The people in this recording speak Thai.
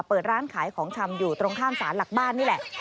เปิดร้านขายของชำอยู่ตรงข้ามสารหลักบ้านนี่แหละ